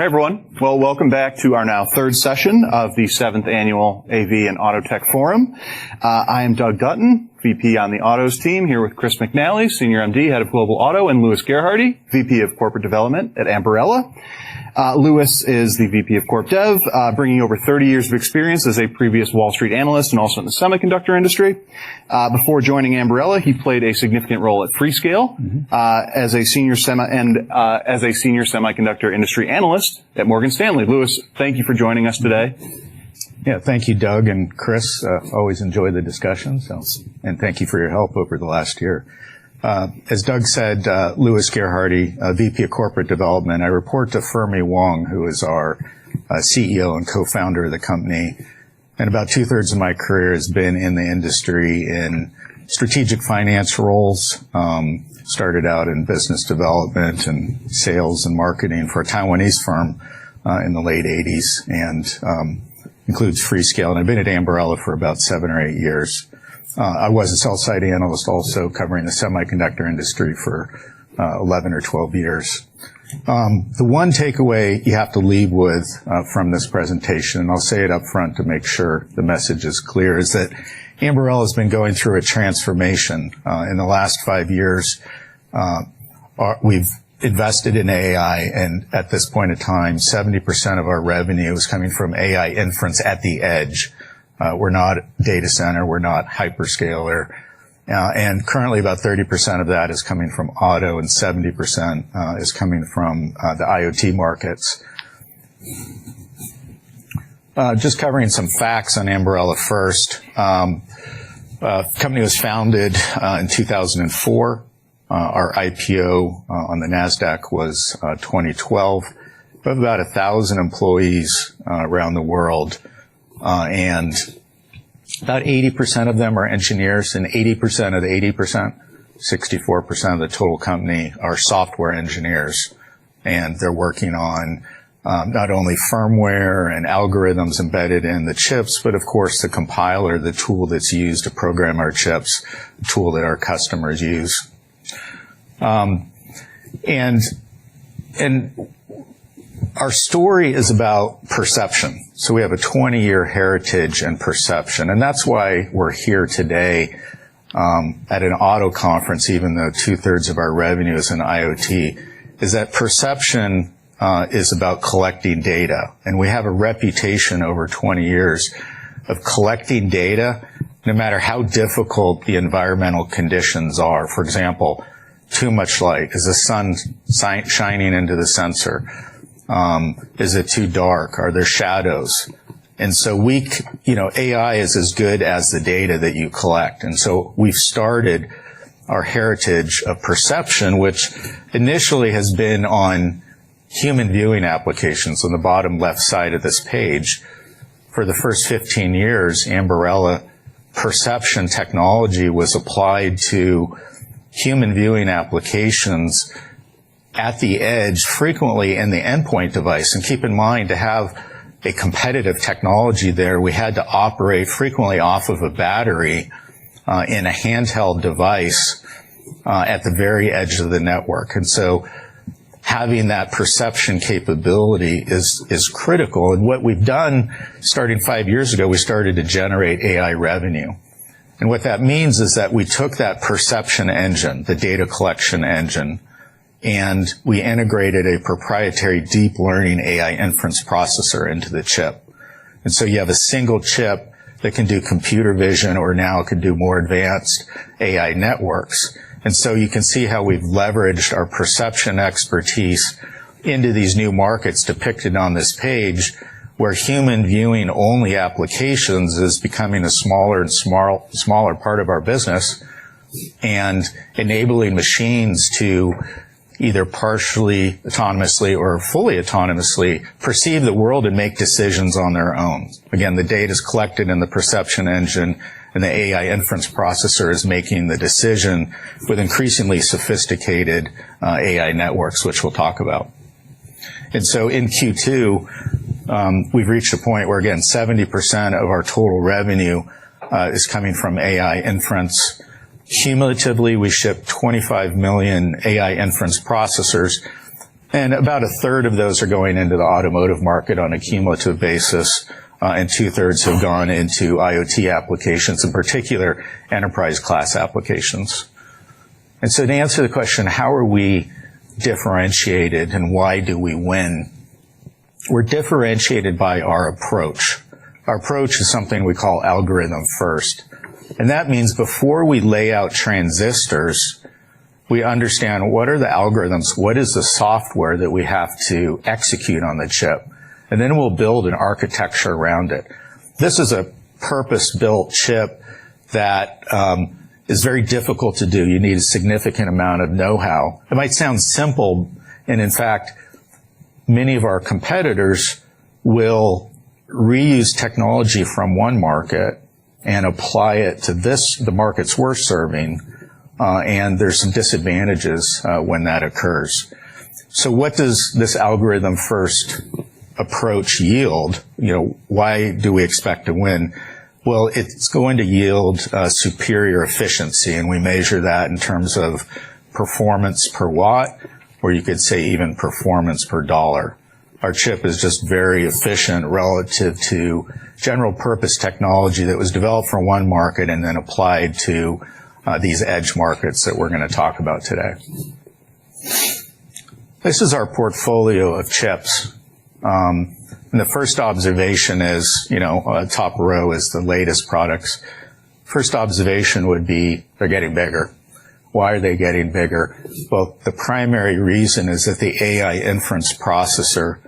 Hey, everyone. Well, welcome back to our now third session of the seventh annual AV and Auto Tech Forum. I am Doug Dutton, VP on the autos team, here with Chris McNally, Senior MD, Head of Global Auto, and Louis Gerhardy, VP of Corporate Development at Ambarella. Louis is the VP of Corp Dev, bringing over 30 years of experience as a previous Wall Street analyst and also in the semiconductor industry. Before joining Ambarella, he played a significant role at Freescale- Mm-hmm. As a senior semiconductor industry analyst at Morgan Stanley, Louis, thank you for joining us today. Yeah. Thank you, Doug and Chris. Always enjoy the discussions, and thank you for your help over the last year. As Doug said, Louis Gerhardy, VP of Corporate Development. I report to Fermi Wang, who is our CEO and co-founder of the company, and about two-thirds of my career has been in the industry in strategic finance roles. Started out in business development and sales and marketing for a Taiwanese firm in the late eighties, and includes Freescale, and I've been at Ambarella for about seven or eight years. I was a sell-side analyst, also covering the semiconductor industry for 11 or 12 years. The one takeaway you have to leave with from this presentation, and I'll say it up front to make sure the message is clear, is that Ambarella has been going through a transformation. In the last five years, we've invested in AI, and at this point in time, 70% of our revenue is coming from AI inference at the edge. We're not data center. We're not hyperscaler. And currently, about 30% of that is coming from auto, and 70% is coming from the IoT markets. Just covering some facts on Ambarella first. Company was founded in 2004. Our IPO on the Nasdaq was 2012. We have about 1,000 employees around the world, and about 80% of them are engineers, and 80% of the 80%, 64% of the total company, are software engineers. And they're working on, not only firmware and algorithms embedded in the chips, but of course, the compiler, the tool that's used to program our chips, the tool that our customers use. And our story is about perception. So we have a twenty-year heritage in perception, and that's why we're here today, at an auto conference, even though two-thirds of our revenue is in IoT, is that perception is about collecting data. And we have a reputation over twenty years of collecting data, no matter how difficult the environmental conditions are. For example, too much light. Is the sun shining into the sensor? Is it too dark? Are there shadows? And so we, you know, AI is as good as the data that you collect, and so we've started our heritage of perception, which initially has been on human viewing applications on the bottom left side of this page. For the first fifteen years, Ambarella perception technology was applied to human viewing applications at the edge, frequently in the endpoint device. And keep in mind, to have a competitive technology there, we had to operate frequently off of a battery in a handheld device at the very edge of the network, and so having that perception capability is critical. And what we've done, starting five years ago, we started to generate AI revenue. And what that means is that we took that perception engine, the data collection engine, and we integrated a proprietary deep learning AI inference processor into the chip. You have a single chip that can do computer vision or now it can do more advanced AI networks. You can see how we've leveraged our perception expertise into these new markets depicted on this page, where human viewing-only applications is becoming a smaller and smaller part of our business, and enabling machines to either partially, autonomously or fully autonomously perceive the world and make decisions on their own. Again, the data is collected in the perception engine, and the AI inference processor is making the decision with increasingly sophisticated AI networks, which we'll talk about. In Q2, we've reached a point where, again, 70% of our total revenue is coming from AI inference. Cumulatively, we ship 25 million AI inference processors, and about a third of those are going into the automotive market on a cumulative basis, and two-thirds have gone into IoT applications, in particular, enterprise class applications. And so to answer the question, how are we differentiated and why do we win? We're differentiated by our approach. Our approach is something we call algorithm first, and that means before we lay out transistors, we understand what are the algorithms, what is the software that we have to execute on the chip? And then we'll build an architecture around it. This is a purpose-built chip that is very difficult to do. You need a significant amount of know-how. It might sound simple, and in fact, many of our competitors will reuse technology from one market and apply it to this, the markets we're serving, and there's some disadvantages when that occurs. So what does this algorithm-first approach yield, you know, why do we expect to win? Well, it's going to yield superior efficiency, and we measure that in terms of performance per watt, or you could say even performance per dollar. Our chip is just very efficient relative to general purpose technology that was developed for one market and then applied to these edge markets that we're gonna talk about today. This is our portfolio of chips, and the first observation is, you know, top row is the latest products. First observation would be, they're getting bigger. Why are they getting bigger? The primary reason is that the AI inference processor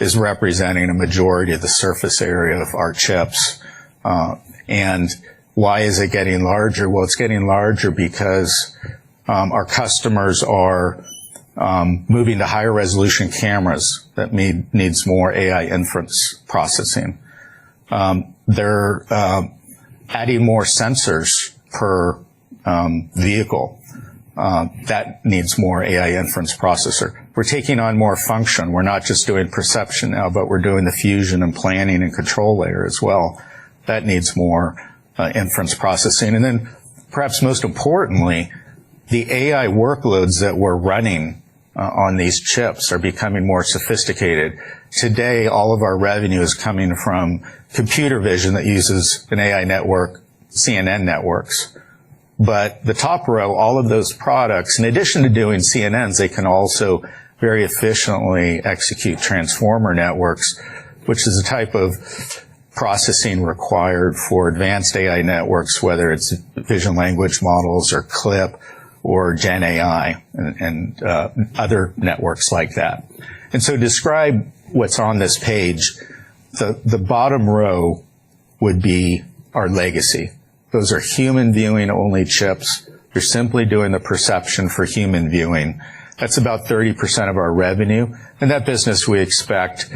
is representing a majority of the surface area of our chips. And why is it getting larger? It's getting larger because our customers are moving to higher resolution cameras that needs more AI inference processing. They're adding more sensors per vehicle. That needs more AI inference processor. We're taking on more function. We're not just doing perception now, but we're doing the fusion and planning and control layer as well. That needs more inference processing. And then, perhaps most importantly, the AI workloads that we're running on these chips are becoming more sophisticated. Today, all of our revenue is coming from computer vision that uses an AI network, CNN networks. But the top row, all of those products, in addition to doing CNNs, they can also very efficiently execute transformer networks, which is a type of processing required for advanced AI networks, whether it's vision language models or CLIP or GenAI and other networks like that. And so to describe what's on this page, the bottom row would be our legacy. Those are human viewing only chips. They're simply doing the perception for human viewing. That's about 30% of our revenue, and that business we expect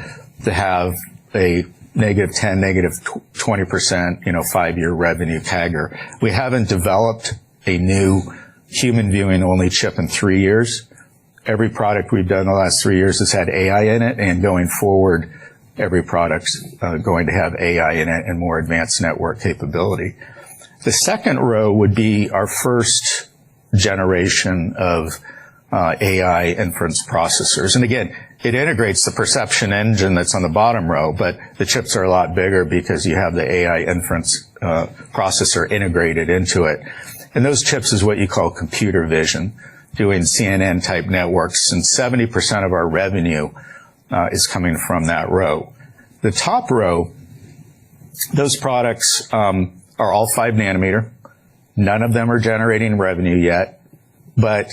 to have a negative 20%, you know, five-year revenue taper. We haven't developed a new human viewing only chip in three years. Every product we've done in the last three years has had AI in it, and going forward, every product's going to have AI in it and more advanced network capability. The second row would be our first generation of AI inference processors. And again, it integrates the perception engine that's on the bottom row, but the chips are a lot bigger because you have the AI inference processor integrated into it. And those chips is what you call computer vision, doing CNN-type networks, and 70% of our revenue is coming from that row. The top row, those products, are all five nanometer. None of them are generating revenue yet. But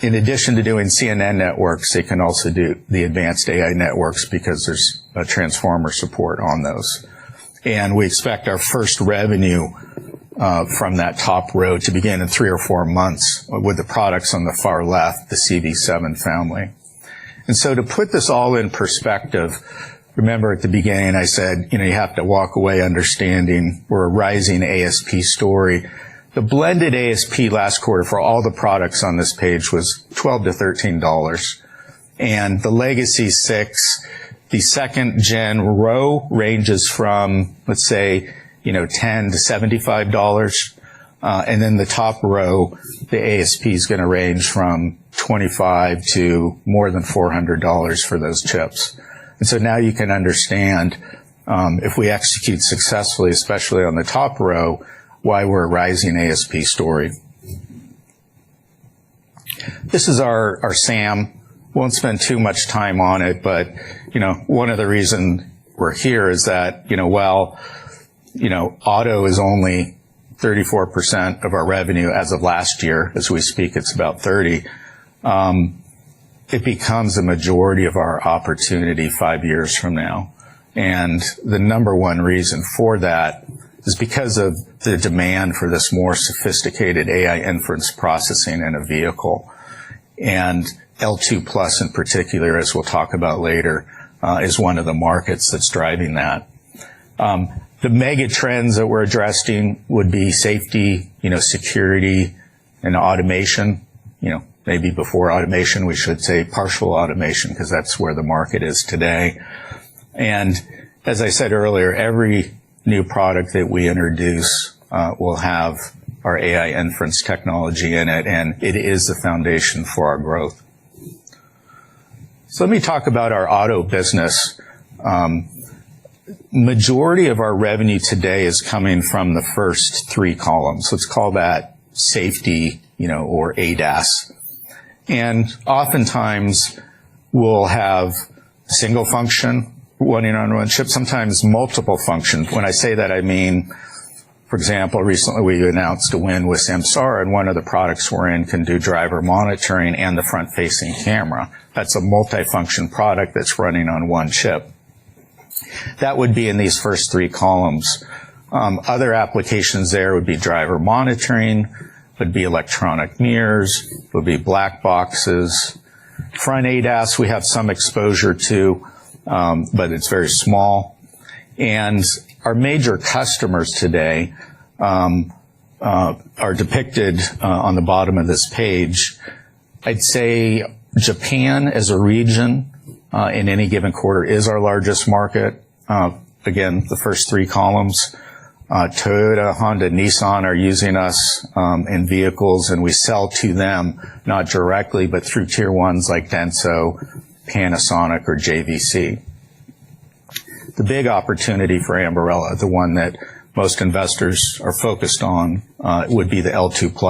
in addition to doing CNN networks, they can also do the advanced AI networks because there's a transformer support on those. And we expect our first revenue from that top row to begin in three or four months with the products on the far left, the CV7 family. And so to put this all in perspective, remember at the beginning I said, you know, you have to walk away understanding we're a rising ASP story. The blended ASP last quarter for all the products on this page was $12-$13, and the legacy six, the second gen row, ranges from, let's say, you know, $10-$75. And then the top row, the ASP is gonna range from $25 to more than $400 for those chips. And so now you can understand, if we execute successfully, especially on the top row, why we're a rising ASP story. This is our SAM. Won't spend too much time on it, but, you know, one of the reason we're here is that, you know, while, you know, auto is only 34% of our revenue as of last year, as we speak, it's about 30, it becomes a majority of our opportunity five years from now. The number one reason for that is because of the demand for this more sophisticated AI inference processing in a vehicle. L2+ in particular, as we'll talk about later, is one of the markets that's driving that. The mega trends that we're addressing would be safety, you know, security and automation. You know, maybe before automation, we should say partial automation, 'cause that's where the market is today. As I said earlier, every new product that we introduce will have our AI inference technology in it, and it is the foundation for our growth. Let me talk about our auto business. Majority of our revenue today is coming from the first three columns. Let's call that safety, you know, or ADAS. Oftentimes, we'll have single function running on one chip, sometimes multiple functions. When I say that, I mean, for example, recently we announced a win with Samsara, and one of the products we're in can do driver monitoring and the front-facing camera. That's a multifunction product that's running on one chip. That would be in these first three columns. Other applications there would be driver monitoring, would be electronic mirrors, would be black boxes. Front ADAS, we have some exposure to, but it's very small. Our major customers today are depicted on the bottom of this page. I'd say Japan, as a region, in any given quarter, is our largest market. Again, the first three columns, Toyota, Honda, and Nissan are using us in vehicles, and we sell to them, not directly, but through tier ones like Denso, Panasonic, or JVC. The big opportunity for Ambarella, the one that most investors are focused on, would be the L2+.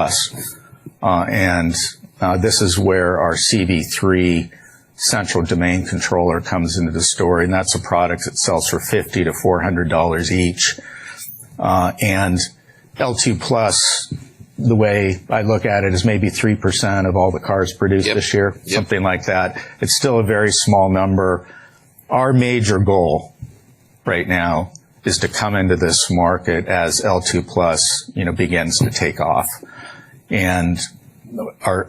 This is where our CV3 central domain controller comes into the story, and that's a product that sells for $50-$400 each. L2+, the way I look at it, is maybe 3% of all the cars produced this year- Yep. Something like that. It's still a very small number. Our major goal right now is to come into this market as L2+, you know, begins to take off, and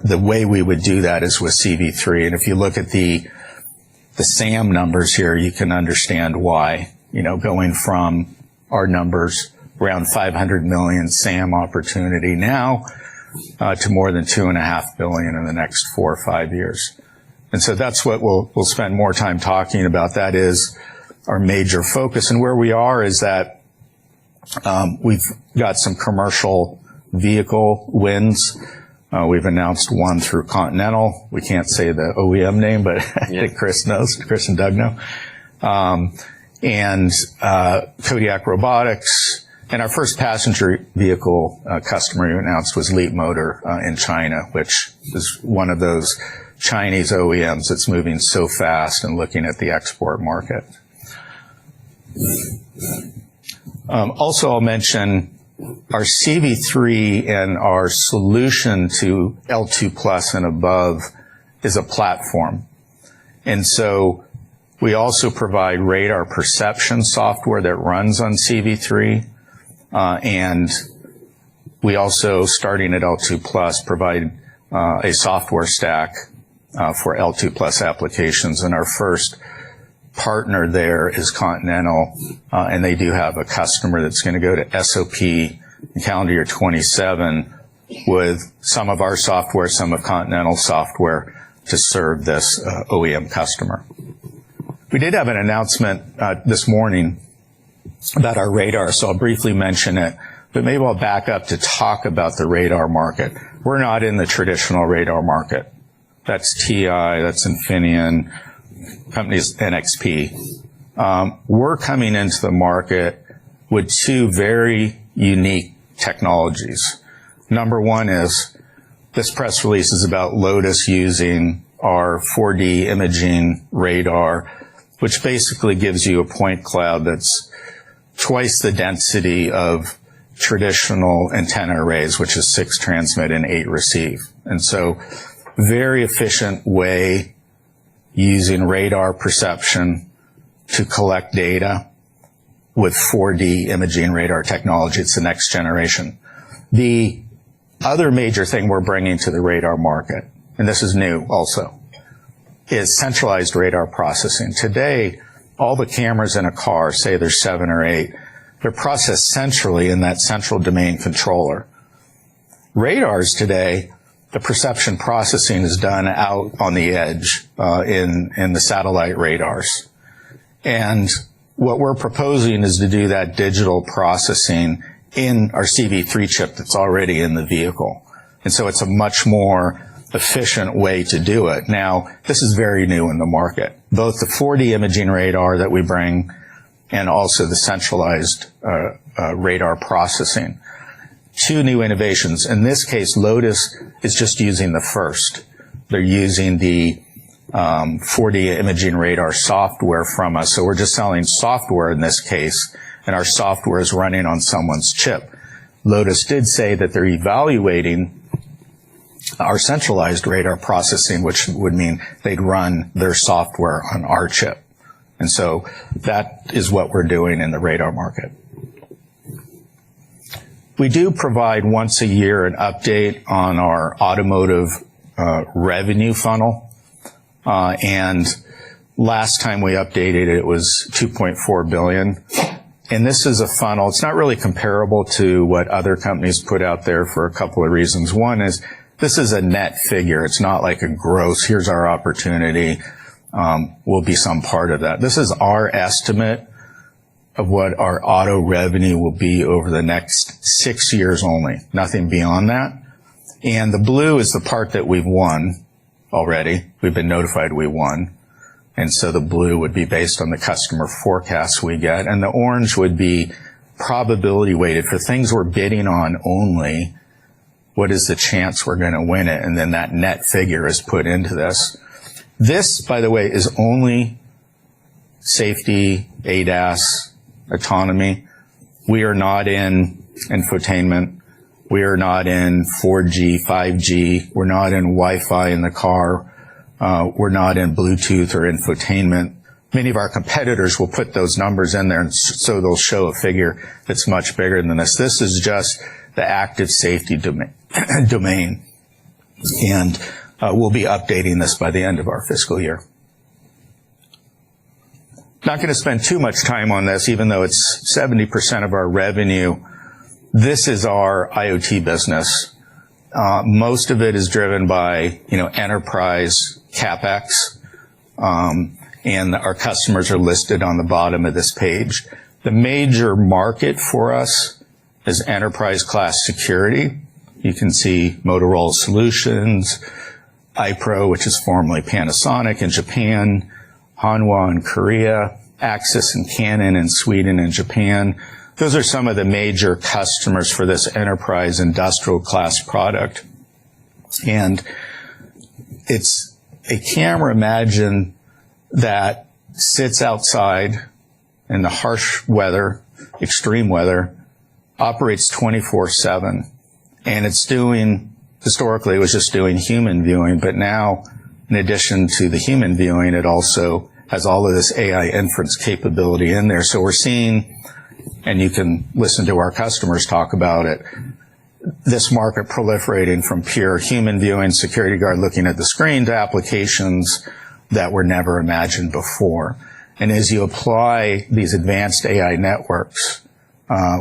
the way we would do that is with CV3. And if you look at the SAM numbers here, you can understand why, you know, going from our numbers around $500 million SAM opportunity now to more than $2.5 billion in the next four or five years. And so that's what we'll spend more time talking about. That is our major focus. And where we are is that we've got some commercial vehicle wins. We've announced one through Continental. We can't say the OEM name, but I think Chris knows. Chris and Doug know. Kodiak Robotics and our first passenger vehicle customer who announced was Leapmotor in China, which is one of those Chinese OEMs that's moving so fast and looking at the export market. Also, I'll mention our CV3 and our solution to L2+ and above is a platform and so we also provide radar perception software that runs on CV3, and we also, starting at L2+, provide a software stack for L2+ applications, and our first partner there is Continental, and they do have a customer that's gonna go to SOP calendar year 2027 with some of our software, some of Continental's software, to serve this OEM customer. We did have an announcement this morning about our radar, so I'll briefly mention it, but maybe I'll back up to talk about the radar market. We're not in the traditional radar market. That's TI, that's Infineon, companies, NXP. We're coming into the market with two very unique technologies. Number one is, this press release is about Lotus using our 4D Imaging Radar, which basically gives you a point cloud that's twice the density of traditional antenna arrays, which is six transmit and eight receive. And so very efficient way using radar perception to collect data with 4D Imaging Radar technology. It's the next generation. The other major thing we're bringing to the radar market, and this is new also, is centralized radar processing. Today, all the cameras in a car, say there's seven or eight, they're processed centrally in that central domain controller. Radars today, the perception processing is done out on the edge, in the satellite radars. And what we're proposing is to do that digital processing in our CV3 chip that's already in the vehicle, and so it's a much more efficient way to do it. Now, this is very new in the market, both the 4D imaging radar that we bring and also the centralized radar processing. Two new innovations. In this case, Lotus is just using the first. They're using the 4D imaging radar software from us. So we're just selling software in this case, and our software is running on someone's chip. Lotus did say that they're evaluating our centralized radar processing, which would mean they'd run their software on our chip, and so that is what we're doing in the radar market. We do provide once a year an update on our automotive revenue funnel, and last time we updated it, it was $2.4 billion. This is a funnel. It's not really comparable to what other companies put out there for a couple of reasons. One is this is a net figure. It's not like a gross, "Here's our opportunity, we'll be some part of that." This is our estimate of what our auto revenue will be over the next six years only, nothing beyond that. The blue is the part that we've won already. We've been notified we won, and so the blue would be based on the customer forecasts we get, and the orange would be probability weighted. For things we're bidding on only, what is the chance we're gonna win it? Then that net figure is put into this. This, by the way, is only safety ADAS autonomy. We are not in infotainment. We are not in 4G, 5G. We're not in Wi-Fi in the car. We're not in Bluetooth or infotainment. Many of our competitors will put those numbers in there, and so they'll show a figure that's much bigger than this. This is just the active safety domain and we'll be updating this by the end of our fiscal year. Not gonna spend too much time on this, even though it's 70% of our revenue. This is our IoT business. Most of it is driven by, you know, enterprise CapEx, and our customers are listed on the bottom of this page. The major market for us is enterprise class security. You can see Motorola Solutions, i-PRO, which is formerly Panasonic in Japan, Hanwha in Korea, Axis and Canon in Sweden and Japan. Those are some of the major customers for this enterprise industrial class product, and it's a camera. Imagine that sits outside in the harsh weather, extreme weather, operates twenty-four seven, and it's doing. Historically, it was just doing human viewing, but now, in addition to the human viewing, it also has all of this AI inference capability in there, so we're seeing, and you can listen to our customers talk about it, this market proliferating from pure human viewing, security guard looking at the screen, to applications that were never imagined before, and as you apply these advanced AI networks,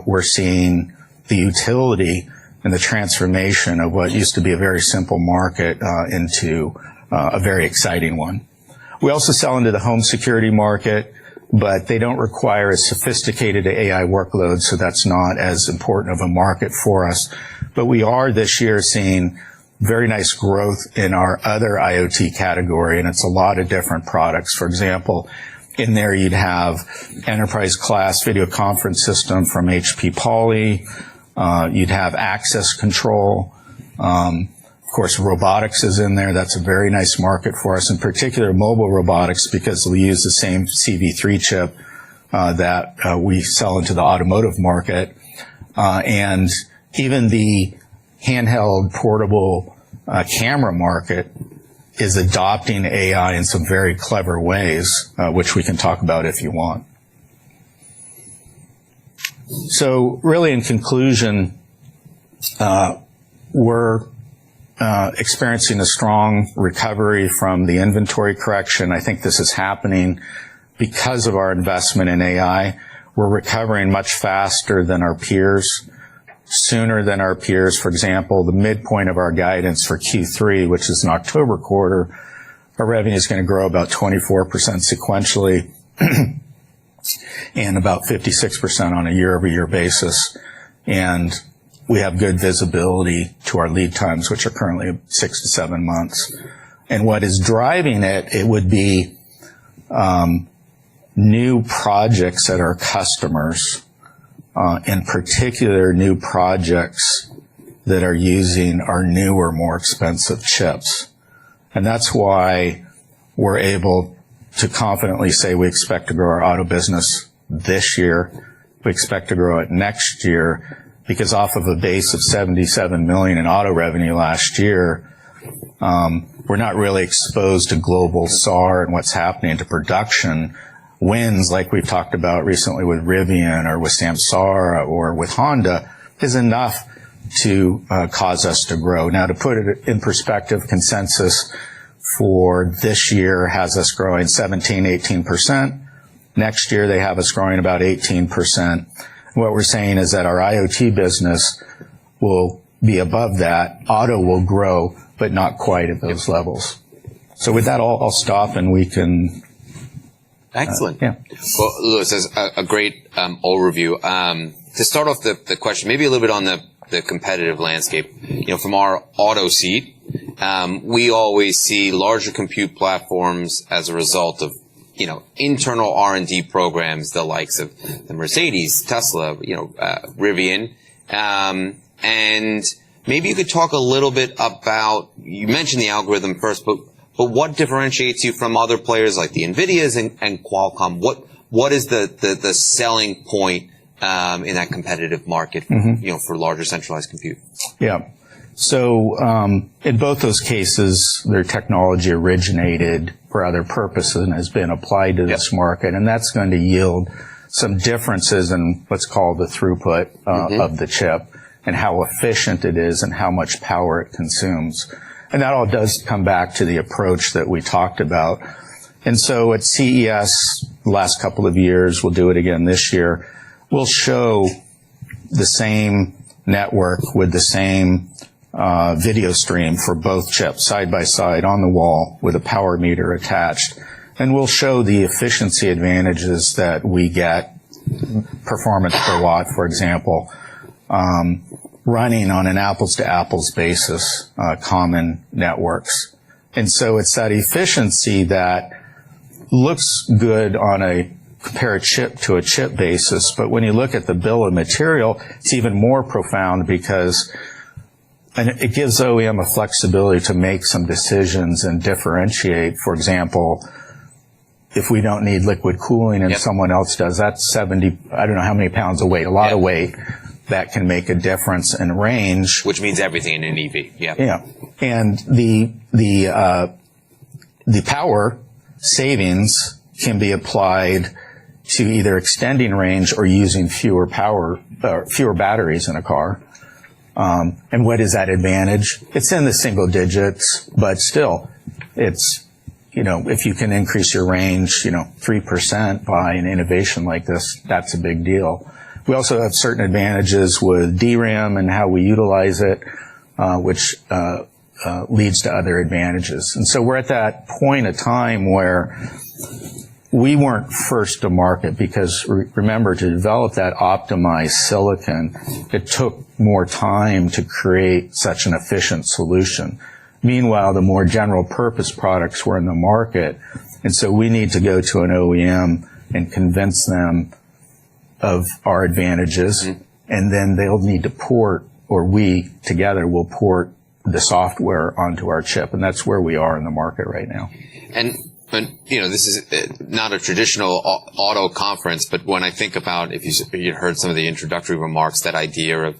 we're seeing the utility and the transformation of what used to be a very simple market into a very exciting one. We also sell into the home security market, but they don't require a sophisticated AI workload, so that's not as important of a market for us. But we are, this year, seeing very nice growth in our other IoT category, and it's a lot of different products. For example, in there, you'd have enterprise class video conference system from HP Poly. You'd have access control. Of course, robotics is in there. That's a very nice market for us, in particular, mobile robotics, because we use the same CV3 chip that we sell into the automotive market. And even the handheld portable camera market is adopting AI in some very clever ways, which we can talk about if you want. So really, in conclusion, we're experiencing a strong recovery from the inventory correction. I think this is happening because of our investment in AI. We're recovering much faster than our peers, sooner than our peers. For example, the midpoint of our guidance for Q3, which is an October quarter, our revenue is gonna grow about 24% sequentially, and about 56% on a year-over-year basis. And we have good visibility to our lead times, which are currently six to seven months. And what is driving it, it would be, new projects at our customers, in particular, new projects that are using our newer, more expensive chips. And that's why we're able to confidently say we expect to grow our auto business this year. We expect to grow it next year, because off of a base of $77 million in auto revenue last year, we're not really exposed to global SAR and what's happening to production. Wins, like we've talked about recently with Rivian or with Samsara or with Honda, is enough to, cause us to grow. Now, to put it in perspective, consensus for this year has us growing 17%-18%. Next year, they have us growing about 18%. What we're saying is that our IoT business will be above that. Auto will grow, but not quite at those levels. So with that, I'll, I'll stop, and we can- Excellent. Yeah. Louis, this is a great overview. To start off the question, maybe a little bit on the competitive landscape. Mm-hmm. You know, from our auto seat, we always see larger compute platforms as a result of, you know, internal R&D programs, the likes of the Mercedes, Tesla, you know, Rivian. And maybe you could talk a little bit about... You mentioned the algorithm first, but what differentiates you from other players like the NVIDIAs and Qualcomm? What is the selling point in that competitive market? Mm-hmm... you know, for larger centralized compute? Yeah. In both those cases, their technology originated for other purposes and has been applied to this market. Yep. And that's going to yield some differences in what's called the throughput- Mm-hmm.... of the chip, and how efficient it is and how much power it consumes. And that all does come back to the approach that we talked about. And so at CES, the last couple of years, we'll do it again this year, we'll show the same network with the same, video stream for both chips, side by side, on the wall with a power meter attached. And we'll show the efficiency advantages that we get, performance per watt, for example, running on an apples-to-apples basis, common networks. And so it's that efficiency that looks good on a compare-a-chip-to-a-chip basis, but when you look at the bill of material, it's even more profound because - and it, it gives OEM the flexibility to make some decisions and differentiate. For example, if we don't need liquid cooling - Yep... and someone else does, that's 70... I don't know how many pounds of weight. Yep. A lot of weight that can make a difference in range. Which means everything in an EV, yeah. Yeah. And the power savings can be applied to either extending range or using fewer power, or fewer batteries in a car. And what is that advantage? It's in the single digits, but still, it's, you know, if you can increase your range, you know, 3% by an innovation like this, that's a big deal. We also have certain advantages with DRAM and how we utilize it, which leads to other advantages. And so we're at that point in time where we weren't first to market, because remember, to develop that optimized silicon, it took more time to create such an efficient solution. Meanwhile, the more general purpose products were in the market, and so we need to go to an OEM and convince them of our advantages- Mm-hmm. and then they'll need to port, or we together will port the software onto our chip, and that's where we are in the market right now. You know, this is not a traditional auto conference, but when I think about, if you heard some of the introductory remarks, that idea of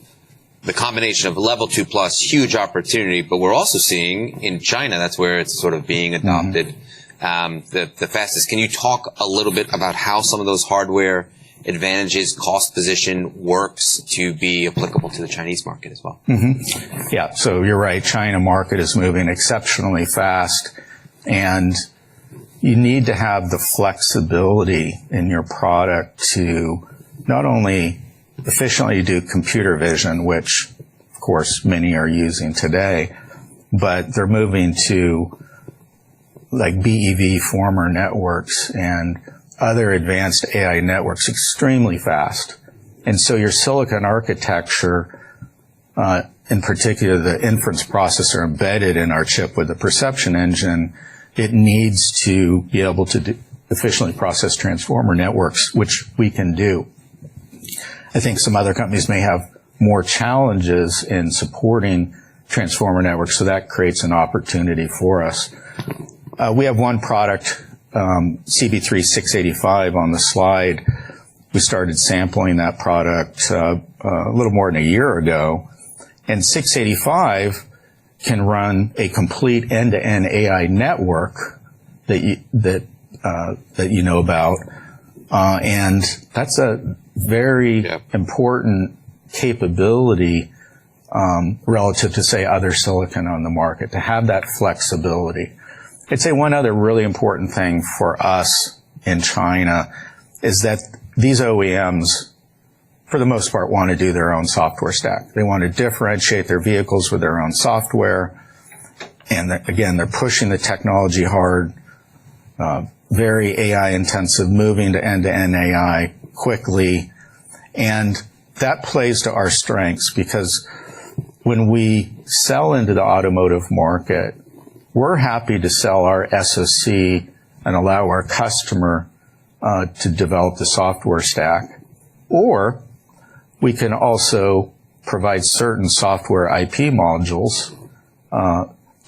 the combination of Level 2+, huge opportunity, but we're also seeing in China, that's where it's sort of being adopted. Mm-hmm... the fastest. Can you talk a little bit about how some of those hardware advantages, cost position, works to be applicable to the Chinese market as well? Mm-hmm. Yeah, so you're right, China market is moving exceptionally fast, and you need to have the flexibility in your product to not only efficiently do computer vision, which of course, many are using today, but they're moving to, like, BEVFormer networks, and other advanced AI networks extremely fast. And so your silicon architecture, in particular, the inference processor embedded in our chip with the perception engine, it needs to be able to efficiently process transformer networks, which we can do. I think some other companies may have more challenges in supporting transformer networks, so that creates an opportunity for us. We have one product, CV3-AD685, on the slide. We started sampling that product a little more than a year ago, and 685 can run a complete end-to-end AI network that you know about. and that's a very- Yeah... important capability relative to, say, other silicon on the market, to have that flexibility. I'd say one other really important thing for us in China is that these OEMs, for the most part, want to do their own software stack. They want to differentiate their vehicles with their own software, and again, they're pushing the technology hard, very AI intensive, moving to end-to-end AI quickly. And that plays to our strengths, because when we sell into the automotive market, we're happy to sell our SoC and allow our customer to develop the software stack, or we can also provide certain software IP modules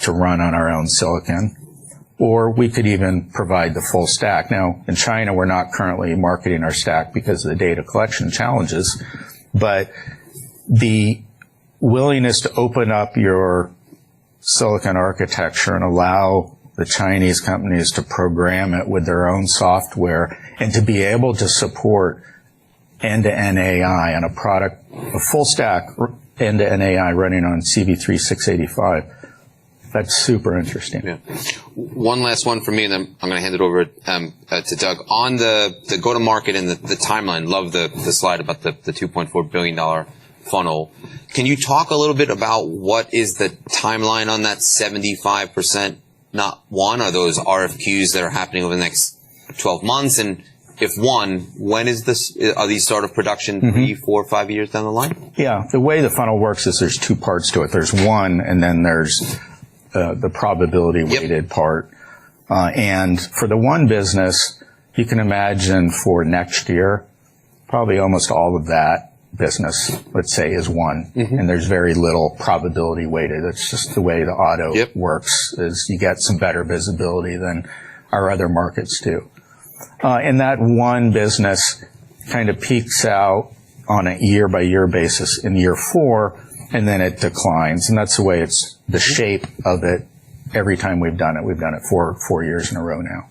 to run on our own silicon, or we could even provide the full stack. Now, in China, we're not currently marketing our stack because of the data collection challenges, but the willingness to open up your silicon architecture and allow the Chinese companies to program it with their own software, and to be able to support end-to-end AI on a product, a full stack end-to-end AI running on CV3-AD685, that's super interesting. Yeah. One last one for me, and then I'm gonna hand it over to Doug. On the go-to-market and the timeline, love the slide about the $2.4 billion funnel. Can you talk a little bit about what is the timeline on that 75%? Number one, are those RFQs that are happening over the next 12 months, and if not, when is this... are these sort of production- Mm-hmm... three, four, five years down the line? Yeah. The way the funnel works is there's two parts to it. There's one, and then there's, the probability-weighted part. Yep. And for the one business, you can imagine for next year, probably almost all of that business, let's say, is one. Mm-hmm. And there's very little probability weighted. It's just the way the auto- Yep works, is you get some better visibility than our other markets do. And that one business kind of peaks out on a year-by-year basis in year four, and then it declines, and that's the way it's, the shape of it every time we've done it. We've done it for four years in a row now.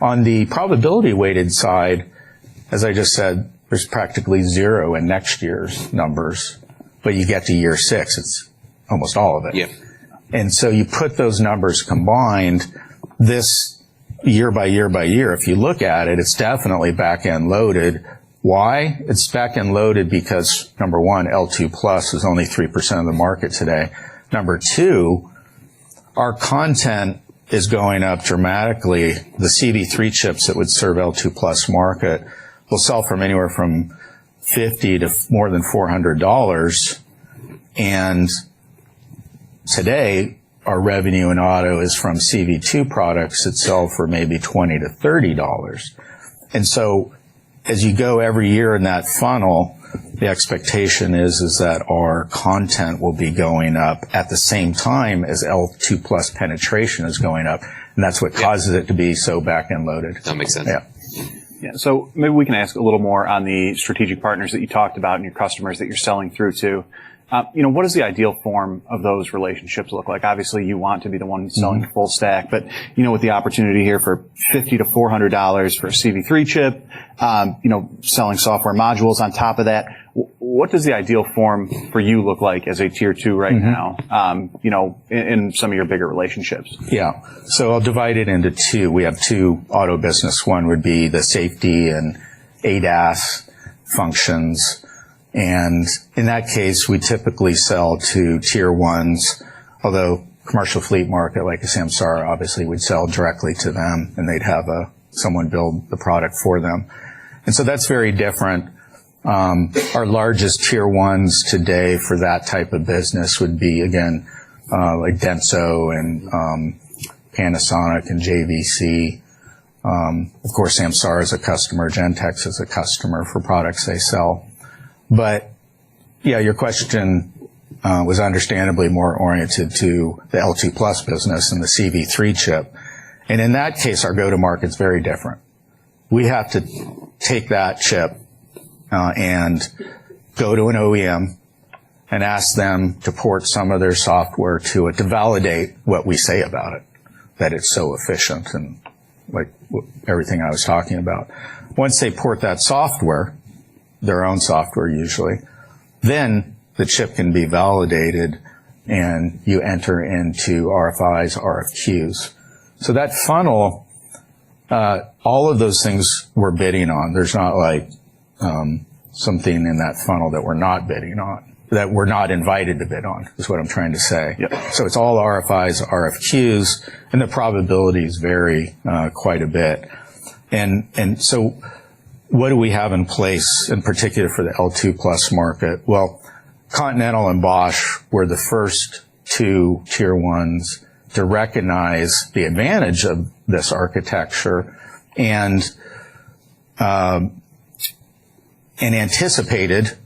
On the probability weighted side, as I just said, there's practically zero in next year's numbers, but you get to year six, it's almost all of it. Yep. And so you put those numbers combined, this year by year by year, if you look at it, it's definitely back-end loaded. Why? It's back-end loaded because, number one, L2+ is only 3% of the market today. Number two, our content is going up dramatically. The CV3 chips that would serve L2+ market will sell from anywhere from $50 to more than $400, and today, our revenue in auto is from CV2 products that sell for maybe $20 to $30. And so as you go every year in that funnel, the expectation is, is that our content will be going up at the same time as L2+ penetration is going up, and that's what- Yeah causes it to be so back-end loaded. That makes sense. Yeah. Mm-hmm. Yeah, so maybe we can ask a little more on the strategic partners that you talked about and your customers that you're selling through to. You know, what is the ideal form of those relationships look like? Obviously, you want to be the one selling- Mm-hmm... the full stack, but, you know, with the opportunity here for $50-$400 for a CV3 chip-... you know, selling software modules on top of that. What does the ideal form for you look like as a Tier One right now- Mm-hmm. You know, in some of your bigger relationships? Yeah. So I'll divide it into two. We have two auto business. One would be the safety and ADAS functions, and in that case, we typically sell to Tier Ones, although commercial fleet market, like a Samsara, obviously, we'd sell directly to them, and they'd have, someone build the product for them. And so that's very different. Our largest Tier Ones today for that type of business would be, again, like Denso and, Panasonic and JVC. Of course, Samsara is a customer, Gentex is a customer for products they sell. But yeah, your question, was understandably more oriented to the L2+ business than the CV3 chip, and in that case, our go-to-market's very different. We have to take that chip and go to an OEM and ask them to port some of their software to it, to validate what we say about it, that it's so efficient and, like, everything I was talking about. Once they port that software, their own software, usually, then the chip can be validated, and you enter into RFIs, RFQs. So that funnel, all of those things we're bidding on, there's not like something in that funnel that we're not bidding on, that we're not invited to bid on, is what I'm trying to say. Yeah. So it's all RFIs, RFQs, and the probabilities vary quite a bit. And so what do we have in place, in particular for the L2+ market? Well, Continental and Bosch were the first two Tier Ones to recognize the advantage of this architecture and anticipated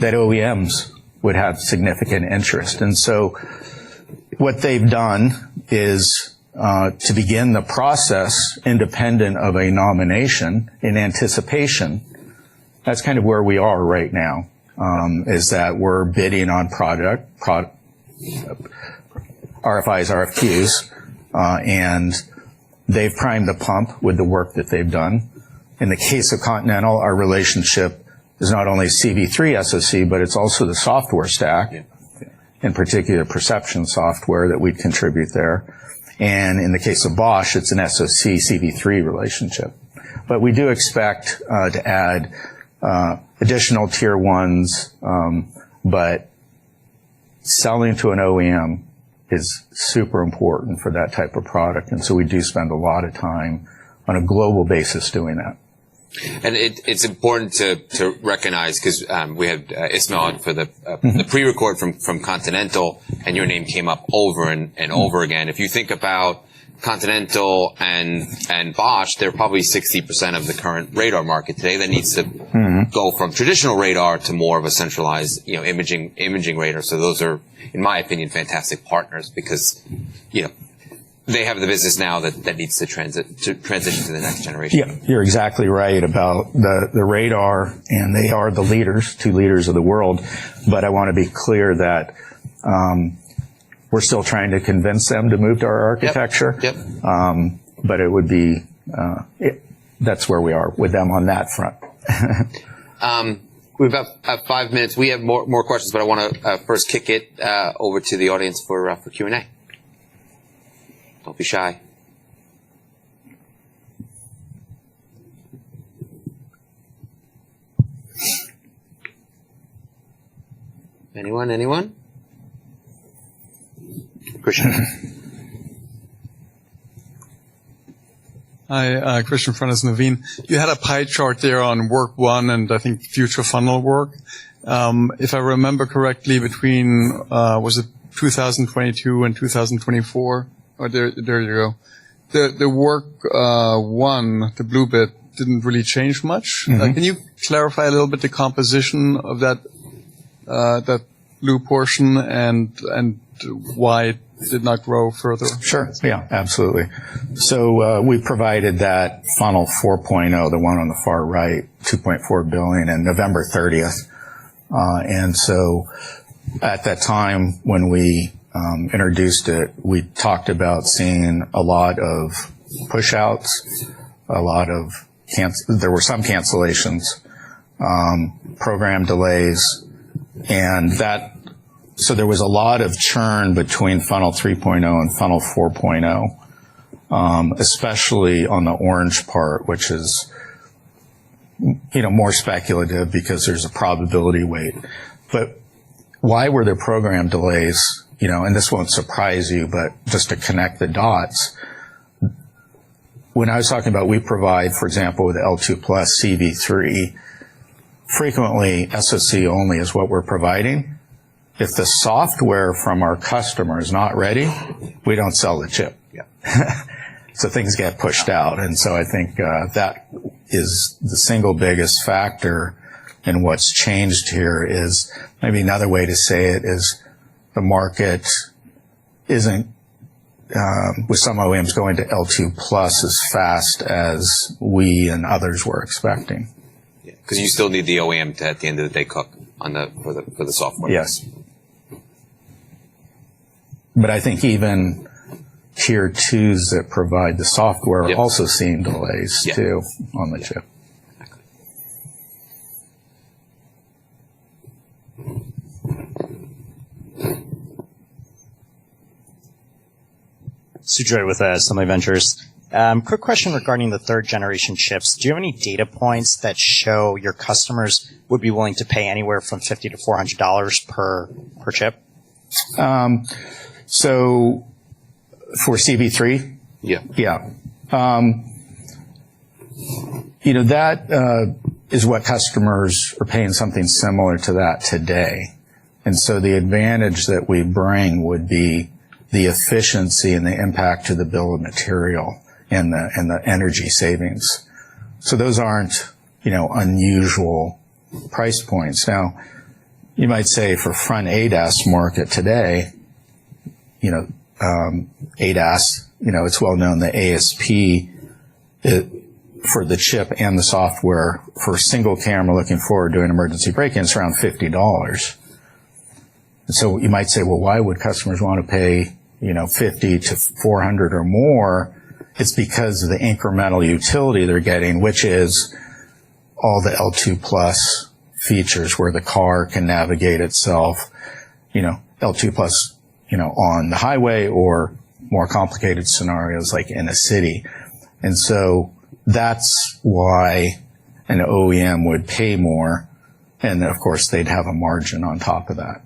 that OEMs would have significant interest. And so what they've done is to begin the process independent of a nomination in anticipation. That's kind of where we are right now, is that we're bidding on product RFIs, RFQs, and they've primed the pump with the work that they've done. In the case of Continental, our relationship is not only CV3 SoC, but it's also the software stack- Yeah, yeah. In particular, perception software that we contribute there. And in the case of Bosch, it's an SoC CV3 relationship. But we do expect to add additional Tier Ones, but selling to an OEM is super important for that type of product, and so we do spend a lot of time on a global basis doing that. It’s important to recognize, ‘cause we had Ismail on for the- Mm-hmm... the pre-record from Continental, and your name came up over and over again. If you think about Continental and Bosch, they're probably 60% of the current radar market today- Mm-hmm -that needs to go from traditional radar to more of a centralized, you know, imaging radar. So those are, in my opinion, fantastic partners because, you know, they have the business now that needs to transition to the next generation. Yeah, you're exactly right about the radar, and they are the leaders, two leaders of the world, but I wanna be clear that we're still trying to convince them to move to our architecture. Yep, yep. But it would be. That's where we are with them on that front. We've got about five minutes. We have more questions, but I wanna first kick it over to the audience for Q&A. Don't be shy. Anyone, anyone? Christian. Hi, Christian Fernandez, Nuveen. You had a pie chart there on work one, and I think future funnel work. If I remember correctly, between, was it two thousand and twenty-two and two thousand and twenty-four, or there, there you go. The work one, the blue bit, didn't really change much. Mm-hmm. Can you clarify a little bit the composition of that blue portion and why it did not grow further? Sure. Yeah, absolutely. So, we provided that funnel 4.0, the one on the far right, $2.4 billion, in November 30th. And so at that time, when we introduced it, we talked about seeing a lot of push-outs, a lot of cancellations, program delays, and that. So there was a lot of churn between funnel 3.0 and funnel 4.0, especially on the orange part, which is, you know, more speculative because there's a probability weight. But why were there program delays? You know, and this won't surprise you, but just to connect the dots, when I was talking about we provide, for example, with L2+ CV3, frequently SoC only is what we're providing. If the software from our customer is not ready, we don't sell the chip. Yeah. So things get pushed out, and so I think that is the single biggest factor in what's changed here is. Maybe another way to say it is, the market isn't with some OEMs going to L2+ as fast as we and others were expecting. Yeah, 'cause you still need the OEM to, at the end of the day, cook on the, for the software. Yes. But I think even tier twos that provide the software- Yep. also seeing delays, too, on the chip. Yeah. Suji with Summit Ventures. Quick question regarding the third generation chips. Do you have any data points that show your customers would be willing to pay anywhere from $50-$400 per chip? So for CV3? Yeah. Yeah. You know, that is what customers are paying something similar to that today. And so the advantage that we bring would be the efficiency and the impact to the bill of material and the, and the energy savings. So those aren't, you know, unusual price points. Now, you might say for front ADAS market today, you know, ADAS, you know, it's well known, the ASP for the chip and the software for a single camera looking forward to an emergency braking is around $50. So you might say, "Well, why would customers want to pay, you know, $50-$400 or more?" It's because of the incremental utility they're getting, which is all the L2+ features, where the car can navigate itself, you know, L2+, you know, on the highway or more complicated scenarios, like in a city. That's why an OEM would pay more, and of course, they'd have a margin on top of that.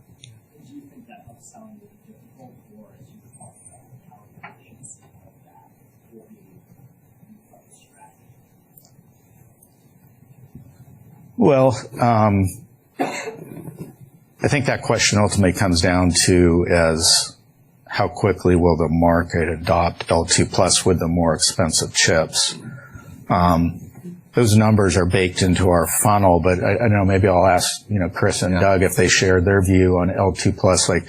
Do you think that upselling is difficult for us as you talk about how of that strategy? I think that question ultimately comes down to how quickly will the market adopt L2+ with the more expensive chips? Those numbers are baked into our funnel, but I know maybe I'll ask, you know, Chris and Doug, if they shared their view on L2+, like,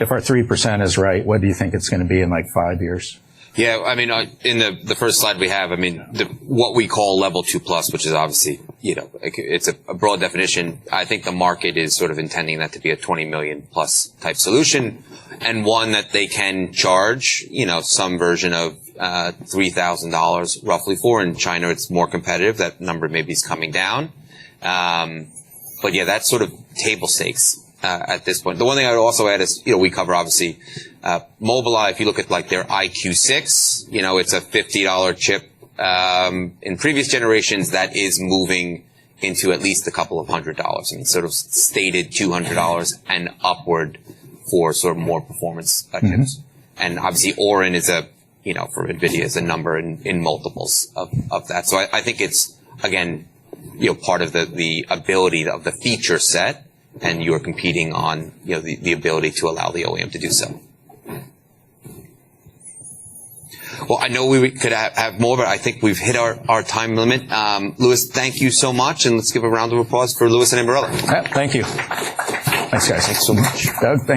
if our 3% is right, what do you think it's gonna be in, like, five years? Yeah, I mean, in the first slide we have, I mean, the what we call Level 2+, which is obviously, you know, like, it's a broad definition. I think the market is sort of intending that to be a 20 million-plus type solution, and one that they can charge, you know, some version of roughly $3,000 for. In China, it's more competitive. That number maybe is coming down. But yeah, that's sort of table stakes at this point. The one thing I'd also add is, you know, we cover obviously Mobileye. If you look at, like, their EyeQ6, you know, it's a $50 chip in previous generations that is moving into at least a couple of hundred dollars and sort of stated $200 and upward for sort of more performance items. Mm-hmm. Obviously, Orin is, you know, for NVIDIA, a number in multiples of that. So I think it's, again, you know, part of the ability of the feature set, and you're competing on, you know, the ability to allow the OEM to do so. Mm-hmm. Well, I know we could have more, but I think we've hit our time limit. Louis, thank you so much, and let's give a round of applause for Louis and Ambarella. Yeah, thank you. Thanks, guys. Thanks so much. Doug, thank you.